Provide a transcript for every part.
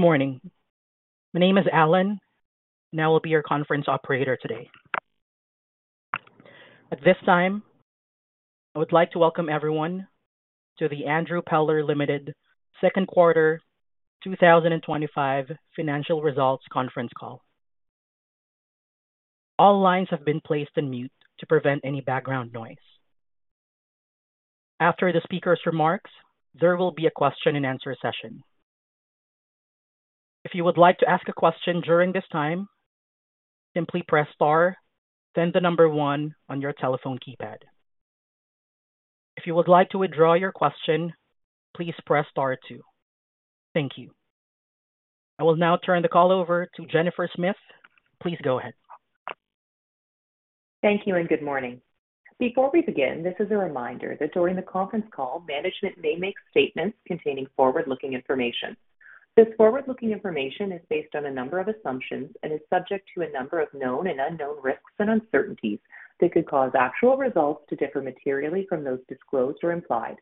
Good morning. My name is Alan, and I will be your conference operator today. At this time, I would like to welcome everyone to the Andrew Peller Limited Second Quarter 2025 Financial Results conference call. All lines have been placed on mute to prevent any background noise. After the speaker's remarks, there will be a question-and-answer session. If you would like to ask a question during this time, simply press Star, then the number one on your telephone keypad. If you would like to withdraw your question, please press Star two. Thank you. I will now turn the call over to Jennifer Smith. Please go ahead. Thank you and good morning. Before we begin, this is a reminder that during the conference call, management may make statements containing forward-looking information. This forward-looking information is based on a number of assumptions and is subject to a number of known and unknown risks and uncertainties that could cause actual results to differ materially from those disclosed or implied.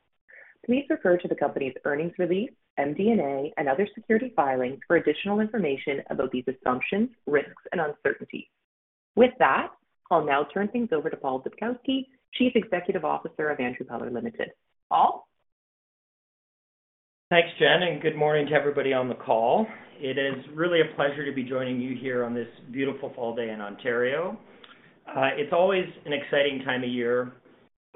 Please refer to the company's earnings release, MD&A, and other security filings for additional information about these assumptions, risks, and uncertainties. With that, I'll now turn things over to Paul Dubkowski, Chief Executive Officer of Andrew Peller Limited. Paul? Thanks, Jen, and good morning to everybody on the call. It is really a pleasure to be joining you here on this beautiful fall day in Ontario. It's always an exciting time of year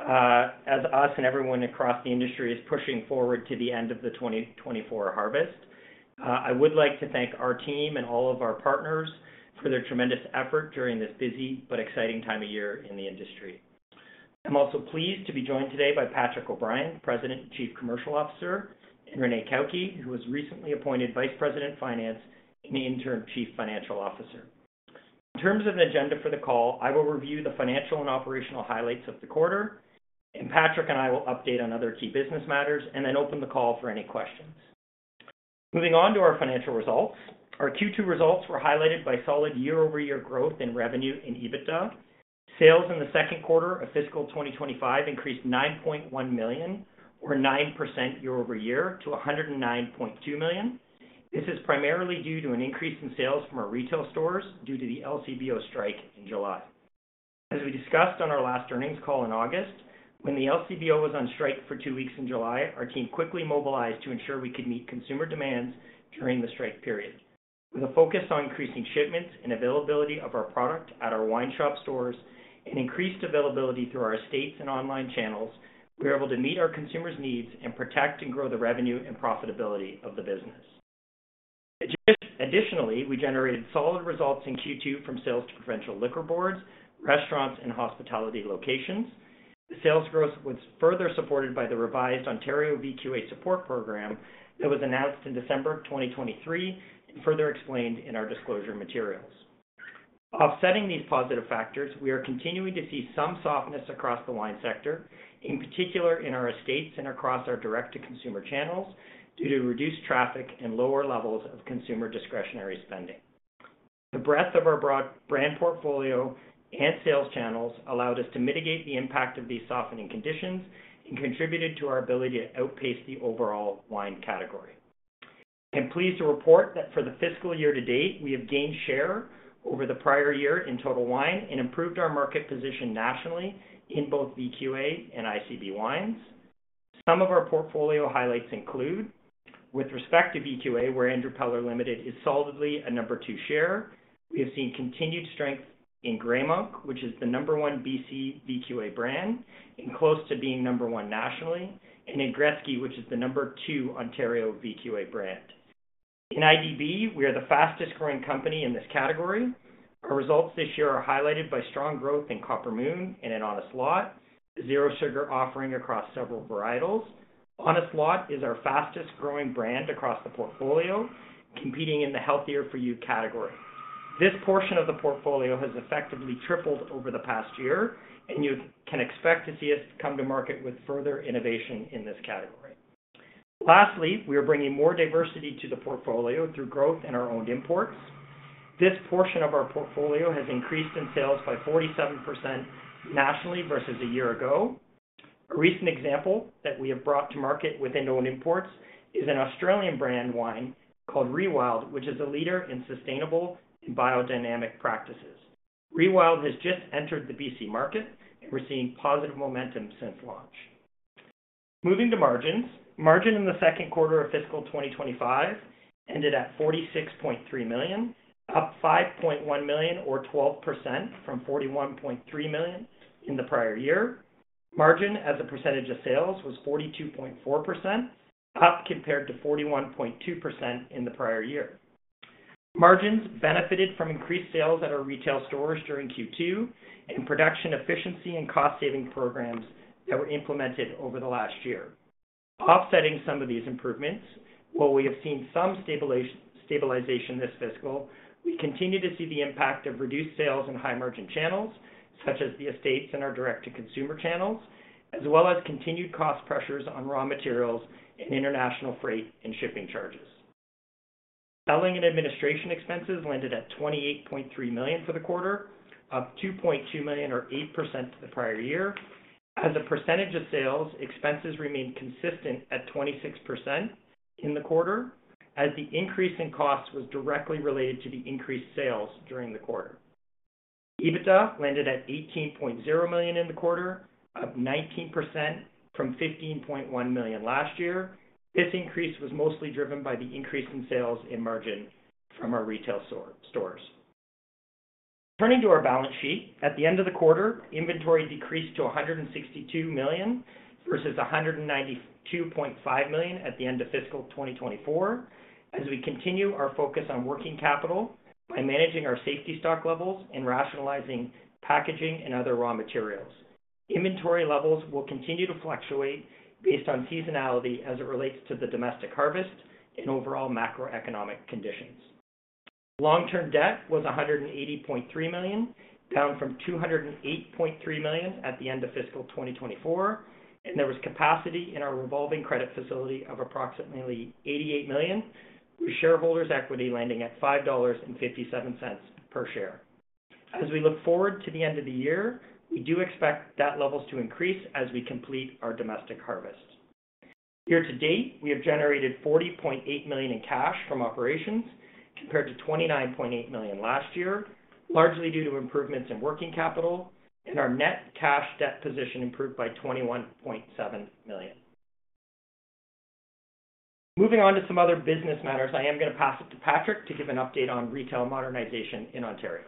as us and everyone across the industry is pushing forward to the end of the 2024 harvest. I would like to thank our team and all of our partners for their tremendous effort during this busy but exciting time of year in the industry. I'm also pleased to be joined today by Patrick O'Brien, President and Chief Commercial Officer, and Renee Cauchi, who was recently appointed Vice President of Finance and the Interim Chief Financial Officer. In terms of the agenda for the call, I will review the financial and operational highlights of the quarter, and Patrick and I will update on other key business matters and then open the call for any questions. Moving on to our financial results, our Q2 results were highlighted by solid year-over-year growth in revenue and EBITDA. Sales in the second quarter of fiscal 2025 increased 9.1 million, or 9% year-over-year, to 109.2 million. This is primarily due to an increase in sales from our retail stores due to the LCBO strike in July. As we discussed on our last earnings call in August, when the LCBO was on strike for two weeks in July, our team quickly mobilized to ensure we could meet consumer demands during the strike period. With a focus on increasing shipments and availability of our product at our Wine Shop stores and increased availability through our estates and online channels, we were able to meet our consumers' needs and protect and grow the revenue and profitability of the business. Additionally, we generated solid results in Q2 from sales to provincial liquor boards, restaurants, and hospitality locations. The sales growth was further supported by the revised Ontario VQA support program that was announced in December 2023 and further explained in our disclosure materials. Offsetting these positive factors, we are continuing to see some softness across the wine sector, in particular in our estates and across our direct-to-consumer channels due to reduced traffic and lower levels of consumer discretionary spending. The breadth of our broad brand portfolio and sales channels allowed us to mitigate the impact of these softening conditions and contributed to our ability to outpace the overall wine category. I am pleased to report that for the fiscal year to date, we have gained share over the prior year in total wine and improved our market position nationally in both VQA and IDB wines. Some of our portfolio highlights include: with respect to VQA, where Andrew Peller Limited is solidly a number two share, we have seen continued strength in Grey Monk, which is the number one BC VQA brand and close to being number one nationally, and in Gretzky, which is the number two Ontario VQA brand. In IDB, we are the fastest-growing company in this category. Our results this year are highlighted by strong growth in Copper Moon and in Honest Lot, zero sugar offering across several varietals. Honest Lot is our fastest-growing brand across the portfolio, competing in the Healthier For You category. This portion of the portfolio has effectively tripled over the past year, and you can expect to see us come to market with further innovation in this category. Lastly, we are bringing more diversity to the portfolio through growth in our owned imports. This portion of our portfolio has increased in sales by 47% nationally versus a year ago. A recent example that we have brought to market within owned imports is an Australian brand wine called Rewild, which is a leader in sustainable and biodynamic practices. Rewild has just entered the BC market, and we're seeing positive momentum since launch. Moving to margins, margin in the second quarter of fiscal 2025 ended at 46.3 million, up 5.1 million, or 12% from 41.3 million in the prior year. Margin as a percentage of sales was 42.4%, up compared to 41.2% in the prior year. Margins benefited from increased sales at our retail stores during Q2 and production efficiency and cost-saving programs that were implemented over the last year. Offsetting some of these improvements, while we have seen some stabilization this fiscal, we continue to see the impact of reduced sales in high-margin channels, such as the estates and our direct-to-consumer channels, as well as continued cost pressures on raw materials and international freight and shipping charges. Selling and administration expenses landed at $28.3 million for the quarter, up $2.2 million, or 8% to the prior year. As a percentage of sales, expenses remained consistent at 26% in the quarter, as the increase in costs was directly related to the increased sales during the quarter. EBITDA landed at $18.0 million in the quarter, up 19% from $15.1 million last year. This increase was mostly driven by the increase in sales and margin from our retail stores. Turning to our balance sheet, at the end of the quarter, inventory decreased to 162 million versus 192.5 million at the end of fiscal 2024, as we continue our focus on working capital by managing our safety stock levels and rationalizing packaging and other raw materials. Inventory levels will continue to fluctuate based on seasonality as it relates to the domestic harvest and overall macroeconomic conditions. Long-term debt was 180.3 million, down from 208.3 million at the end of fiscal 2024, and there was capacity in our revolving credit facility of approximately 88 million, with shareholders' equity landing at 5.57 dollars per share. As we look forward to the end of the year, we do expect debt levels to increase as we complete our domestic harvest. Year to date, we have generated 40.8 million in cash from operations compared to 29.8 million last year, largely due to improvements in working capital, and our net cash debt position improved by 21.7 million. Moving on to some other business matters, I am going to pass it to Patrick to give an update on retail modernization in Ontario.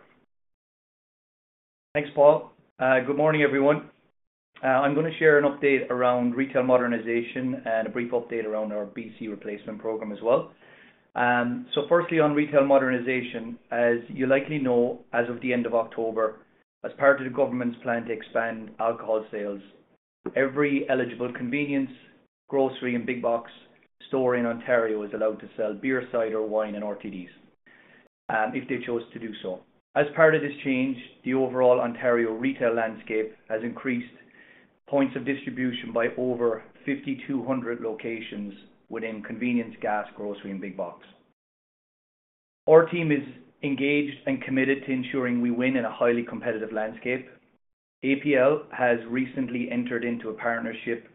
Thanks, Paul. Good morning, everyone. I'm going to share an update around retail modernization and a brief update around our BC replacement program as well. So firstly, on retail modernization, as you likely know, as of the end of October, as part of the government's plan to expand alcohol sales, every eligible convenience, grocery, and big box store in Ontario is allowed to sell beer, cider, wine, and RTDs if they chose to do so. As part of this change, the overall Ontario retail landscape has increased points of distribution by over 5,200 locations within convenience, gas, grocery, and big box. Our team is engaged and committed to ensuring we win in a highly competitive landscape. APL has recently entered into a partnership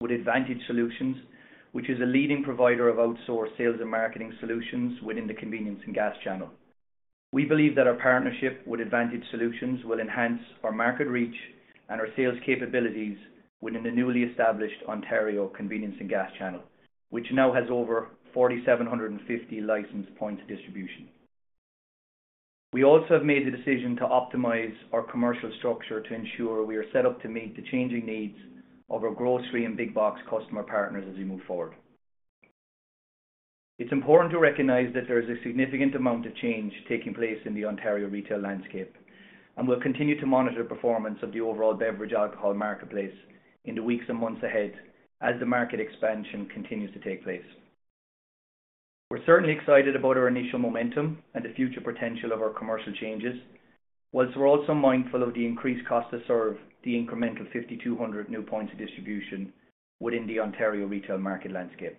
with Advantage Solutions, which is a leading provider of outsourced sales and marketing solutions within the convenience and gas channel. We believe that our partnership with Advantage Solutions will enhance our market reach and our sales capabilities within the newly established Ontario convenience and gas channel, which now has over 4,750 licensed points of distribution. We also have made the decision to optimize our commercial structure to ensure we are set up to meet the changing needs of our grocery and big box customer partners as we move forward. It's important to recognize that there is a significant amount of change taking place in the Ontario retail landscape, and we'll continue to monitor performance of the overall beverage alcohol marketplace in the weeks and months ahead as the market expansion continues to take place. We're certainly excited about our initial momentum and the future potential of our commercial changes, while we're also mindful of the increased cost to serve the incremental 5,200 new points of distribution within the Ontario retail market landscape.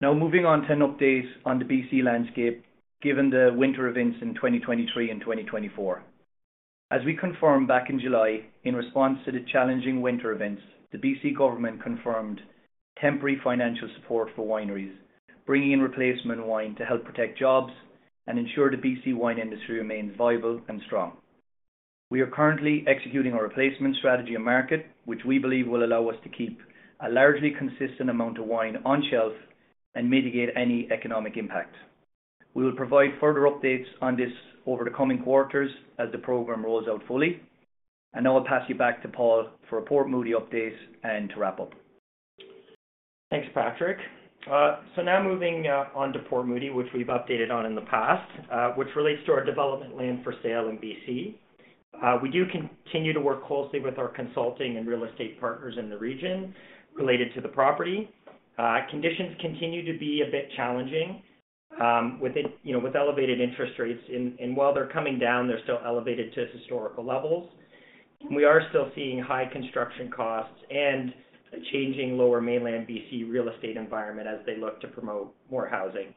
Now, moving on to an update on the BC landscape given the winter events in 2023 and 2024. As we confirmed back in July, in response to the challenging winter events, the BC government confirmed temporary financial support for wineries, bringing in replacement wine to help protect jobs and ensure the BC wine industry remains viable and strong. We are currently executing our replacement strategy and market, which we believe will allow us to keep a largely consistent amount of wine on shelf and mitigate any economic impact. We will provide further updates on this over the coming quarters as the program rolls out fully, and I'll pass you back to Paul for a Port Moody update and to wrap up. Thanks, Patrick. So now moving on to Port Moody, which we've updated on in the past, which relates to our development land for sale in BC. We do continue to work closely with our consulting and real estate partners in the region related to the property. Conditions continue to be a bit challenging with elevated interest rates, and while they're coming down, they're still elevated to historical levels. We are still seeing high construction costs and a changing Lower Mainland BC real estate environment as they look to promote more housing.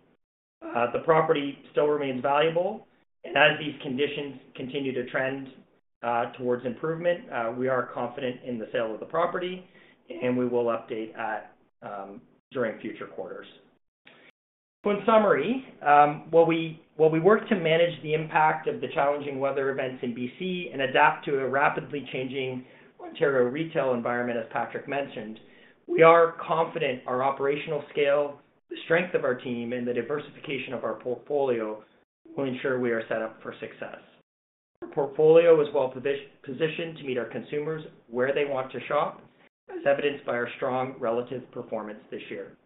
The property still remains valuable, and as these conditions continue to trend towards improvement, we are confident in the sale of the property, and we will update during future quarters. So in summary, while we work to manage the impact of the challenging weather events in BC and adapt to a rapidly changing Ontario retail environment, as Patrick mentioned, we are confident our operational scale, the strength of our team, and the diversification of our portfolio will ensure we are set up for success. Our portfolio is well-positioned to meet our consumers where they want to shop, as evidenced by our strong relative performance this year.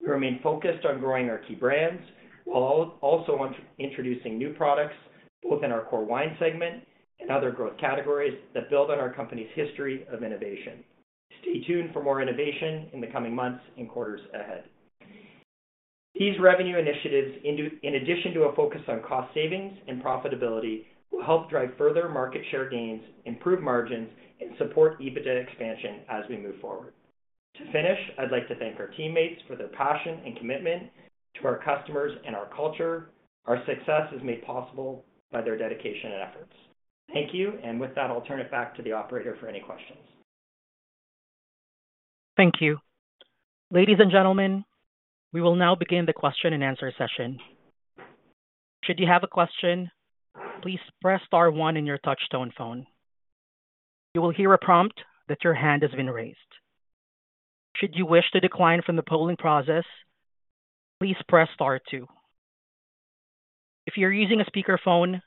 We remain focused on growing our key brands while also introducing new products both in our core wine segment and other growth categories that build on our company's history of innovation. Stay tuned for more innovation in the coming months and quarters ahead. These revenue initiatives, in addition to a focus on cost savings and profitability, will help drive further market share gains, improve margins, and support EBITDA expansion as we move forward. To finish, I'd like to thank our teammates for their passion and commitment to our customers and our culture. Our success is made possible by their dedication and efforts. Thank you, and with that, I'll turn it back to the operator for any questions. Thank you. Ladies and gentlemen, we will now begin the question and answer session. Should you have a question, please press star one on your touchtone phone. You will hear a prompt that your hand has been raised. Should you wish to decline from the polling process, please press star two. If you're using a speakerphone,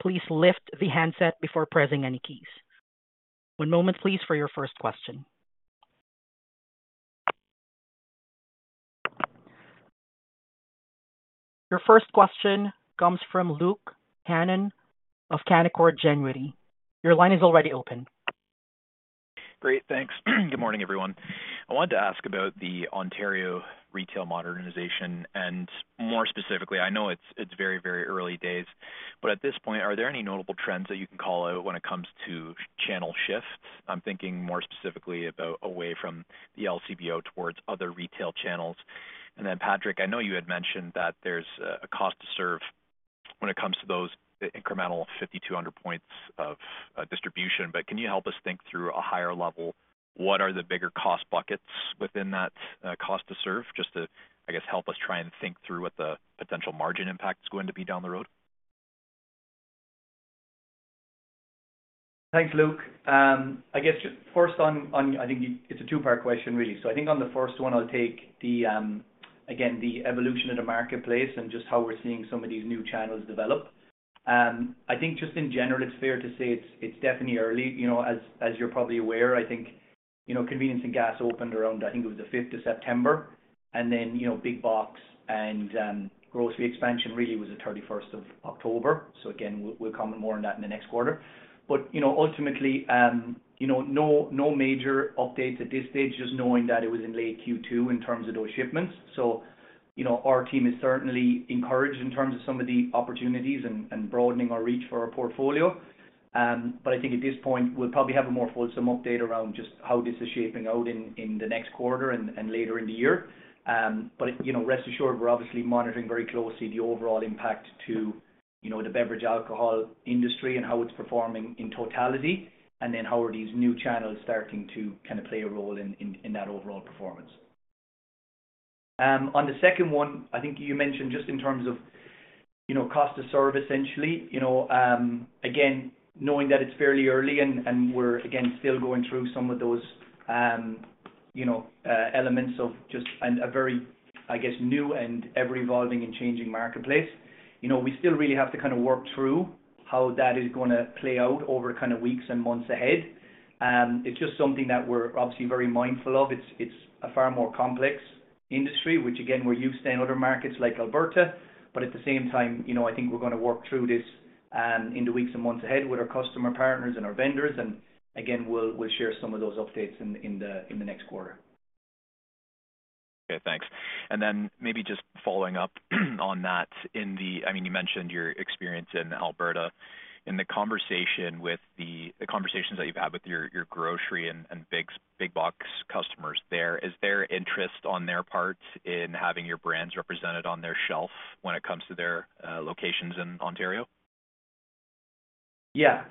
please lift the handset before pressing any keys. One moment, please, for your first question. Your first question comes from Luke Hannan of Canaccord Genuity. Your line is already open. Great, thanks. Good morning, everyone. I wanted to ask about the Ontario retail modernization, and more specifically, I know it's very, very early days, but at this point, are there any notable trends that you can call out when it comes to channel shifts? I'm thinking more specifically about away from the LCBO towards other retail channels, and then, Patrick, I know you had mentioned that there's a cost to serve when it comes to those incremental 5,200 points of distribution, but can you help us think through at a higher level, what are the bigger cost buckets within that cost to serve? Just to, I guess, help us try and think through what the potential margin impact is going to be down the road. Thanks, Luke. I guess just first on, I think it's a two-part question, really. So I think on the first one, I'll take, again, the evolution of the marketplace and just how we're seeing some of these new channels develop. I think just in general, it's fair to say it's definitely early. As you're probably aware, I think convenience and gas opened around, I think it was the 5th of September, and then big box and grocery expansion really was the 31st of October. So again, we'll comment more on that in the next quarter. But ultimately, no major updates at this stage, just knowing that it was in late Q2 in terms of those shipments. So our team is certainly encouraged in terms of some of the opportunities and broadening our reach for our portfolio. But I think at this point, we'll probably have a more fulsome update around just how this is shaping out in the next quarter and later in the year. But rest assured, we're obviously monitoring very closely the overall impact to the beverage alcohol industry and how it's performing in totality, and then how are these new channels starting to kind of play a role in that overall performance. On the second one, I think you mentioned just in terms of cost to serve, essentially. Again, knowing that it's fairly early and we're, again, still going through some of those elements of just a very, I guess, new and ever-evolving and changing marketplace, we still really have to kind of work through how that is going to play out over kind of weeks and months ahead. It's just something that we're obviously very mindful of. It's a far more complex industry, which, again, we're used to in other markets like Alberta, but at the same time, I think we're going to work through this in the weeks and months ahead with our customer partners and our vendors, and again, we'll share some of those updates in the next quarter. Okay, thanks. And then maybe just following up on that, I mean, you mentioned your experience in Alberta. In the conversations that you've had with your grocery and big box customers there, is there interest on their part in having your brands represented on their shelf when it comes to their locations in Ontario? Yeah.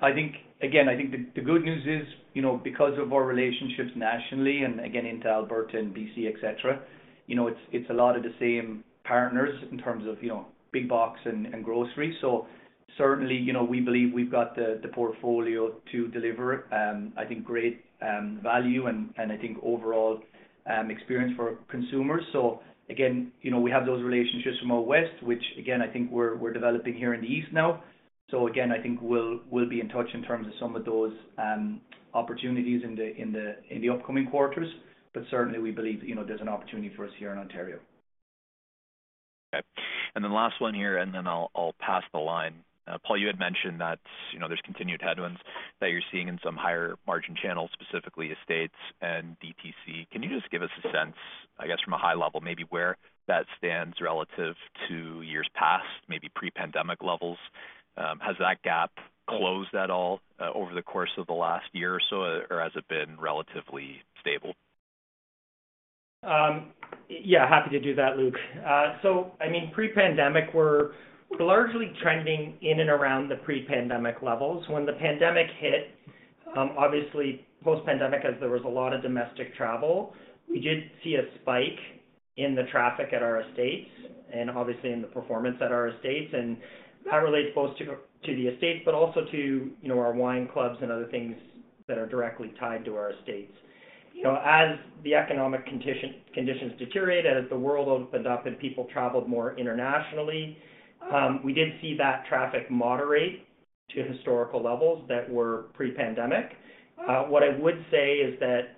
Again, I think the good news is because of our relationships nationally and again, into Alberta and BC, etc., it's a lot of the same partners in terms of big box and grocery. So certainly, we believe we've got the portfolio to deliver, I think, great value and I think overall experience for consumers. So again, we have those relationships from our west, which, again, I think we're developing here in the east now. So again, I think we'll be in touch in terms of some of those opportunities in the upcoming quarters, but certainly, we believe there's an opportunity for us here in Ontario. Okay. And then last one here, and then I'll pass the line. Paul, you had mentioned that there's continued headwinds that you're seeing in some higher margin channels, specifically estates and DTC. Can you just give us a sense, I guess, from a high level, maybe where that stands relative to years past, maybe pre-pandemic levels? Has that gap closed at all over the course of the last year or so, or has it been relatively stable? Yeah, happy to do that, Luke. So I mean, pre-pandemic, we're largely trending in and around the pre-pandemic levels. When the pandemic hit, obviously, post-pandemic, as there was a lot of domestic travel, we did see a spike in the traffic at our estates and obviously in the performance at our estates. And that relates both to the estates, but also to our wine clubs and other things that are directly tied to our estates. As the economic conditions deteriorated, as the world opened up and people traveled more internationally, we did see that traffic moderate to historical levels that were pre-pandemic. What I would say is that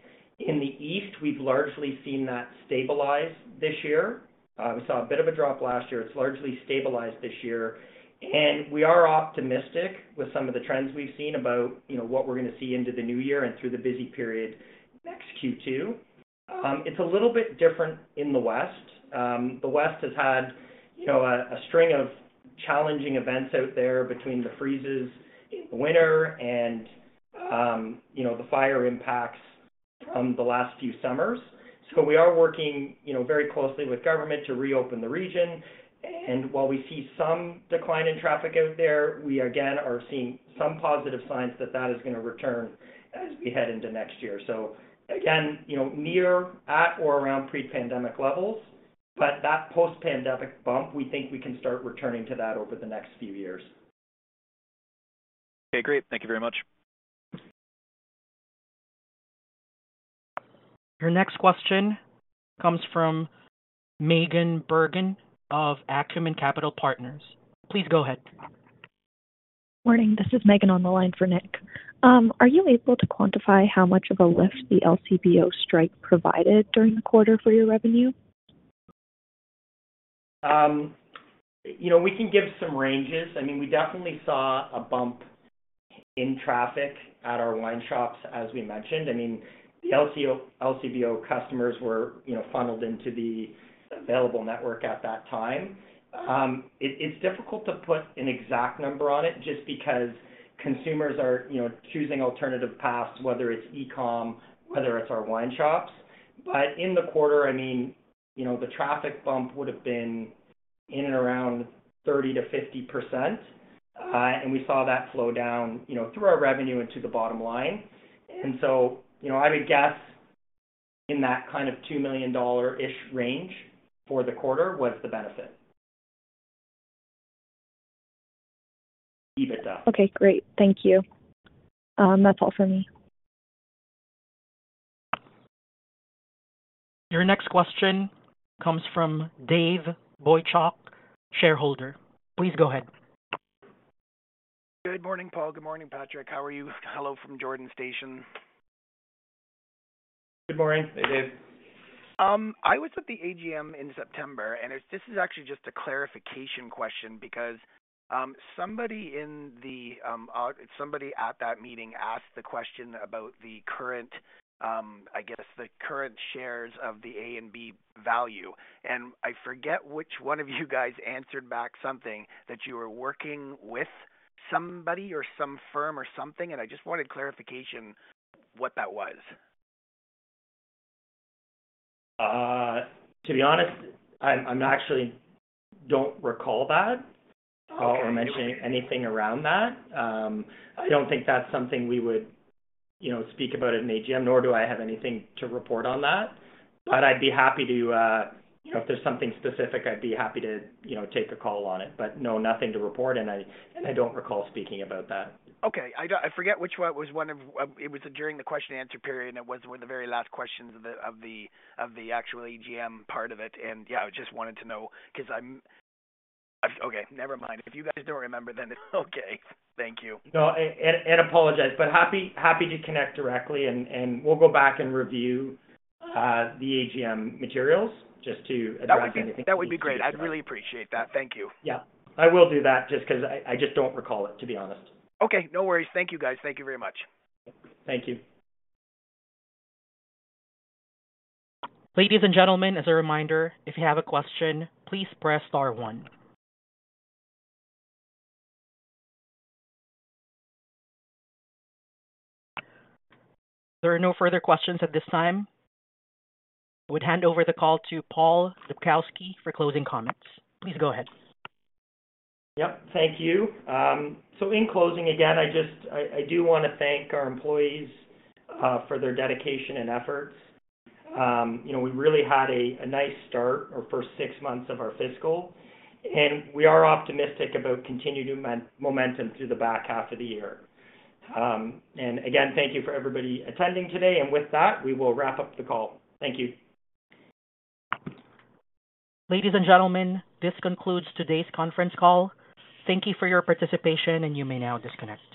in the east, we've largely seen that stabilize this year. We saw a bit of a drop last year. It's largely stabilized this year. And we are optimistic with some of the trends we've seen about what we're going to see into the new year and through the busy period next Q2. It's a little bit different in the west. The west has had a string of challenging events out there between the freezes in the winter and the fire impacts from the last few summers. So we are working very closely with government to reopen the region. And while we see some decline in traffic out there, we again are seeing some positive signs that that is going to return as we head into next year. So again, near at or around pre-pandemic levels, but that post-pandemic bump, we think we can start returning to that over the next few years. Okay, great. Thank you very much. Your next question comes from Megan Bergen of Acumen Capital Partners. Please go ahead. Morning. This is Megan on the line for Nick. Are you able to quantify how much of a lift the LCBO strike provided during the quarter for your revenue? We can give some ranges. I mean, we definitely saw a bump in traffic at our wine shops, as we mentioned. I mean, the LCBO customers were funneled into the available network at that time. It's difficult to put an exact number on it just because consumers are choosing alternative paths, whether it's e-com, whether it's our wine shops. But in the quarter, I mean, the traffic bump would have been in and around 30%-50%, and we saw that flow down through our revenue into the bottom line. And so I would guess in that kind of two million-ish range for the quarter was the benefit. EBITDA. Okay, great. Thank you. That's all for me. Your next question comes from Dave Boychuk, shareholder. Please go ahead. Good morning, Paul. Good morning, Patrick. How are you? Hello from Jordan Station. Good morning. Hey, Dave. I was at the AGM in September, and this is actually just a clarification question because somebody at that meeting asked the question about the current, I guess, the current shares of the A and B value. And I forget which one of you guys answered back something that you were working with somebody or some firm or something, and I just wanted clarification what that was. To be honest, I actually don't recall that or mention anything around that. I don't think that's something we would speak about at an AGM, nor do I have anything to report on that. But I'd be happy to, if there's something specific, I'd be happy to take a call on it. But no, nothing to report, and I don't recall speaking about that. Okay. I forget which one it was during the question-and-answer period, and it was one of the very last questions of the actual AGM part of it. And yeah, I just wanted to know because I'm okay. Never mind. If you guys don't remember, then it's okay. Thank you. No, I apologize, but happy to connect directly, and we'll go back and review the AGM materials just to address anything. That would be great. I'd really appreciate that. Thank you. Yeah. I will do that just because I just don't recall it, to be honest. Okay. No worries. Thank you, guys. Thank you very much. Thank you. Ladies and gentlemen, as a reminder, if you have a question, please press star one. There are no further questions at this time. I would hand over the call to Paul Dubkowski for closing comments. Please go ahead. Yep. Thank you. So in closing, again, I do want to thank our employees for their dedication and efforts. We really had a nice start, our first six months of our fiscal, and we are optimistic about continued momentum through the back half of the year. And again, thank you for everybody attending today. And with that, we will wrap up the call. Thank you. Ladies and gentlemen, this concludes today's conference call. Thank you for your participation, and you may now disconnect.